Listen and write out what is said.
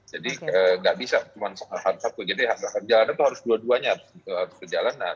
jadi nggak bisa cuma satu jadi jalan itu harus dua duanya berjalan